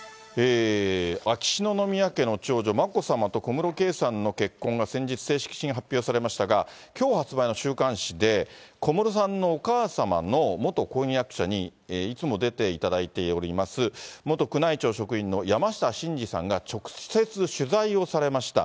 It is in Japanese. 秋篠宮家の長女、眞子さまと小室圭さんの結婚が先日、正式に発表されましたが、きょう発売の週刊誌で、小室さんのお母様の元婚約者に、いつも出ていただいております、元宮内庁職員の山下晋司さんが直接取材をされました。